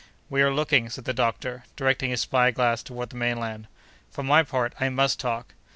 "We are looking!" said the doctor, directing his spy glass toward the mainland. "For my part, I must talk!"